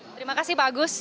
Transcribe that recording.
terima kasih pak agus